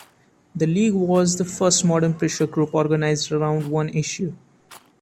The League was the first modern pressure group organized around one issue.